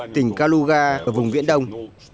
tỉnh kaluga ở vùng viện đông